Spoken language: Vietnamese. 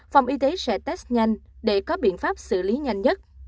phòng y tế sẽ test nhanh để có biện pháp xử lý nhanh nhất